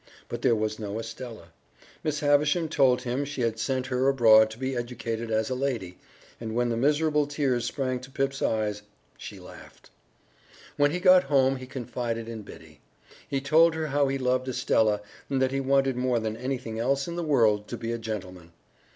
But there was no Estella. Miss Havisham told him she had sent her abroad to be educated as a lady, and when the miserable tears sprang to Pip's eyes, she laughed. When he got home he confided in Biddy. He told her how he loved Estella, and that he wanted more than anything else in the world to be a gentleman.